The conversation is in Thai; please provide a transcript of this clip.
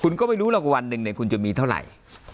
คุณก็ไม่รู้หรอกว่าวันหนึ่งคุณจะมีเท่าไหร่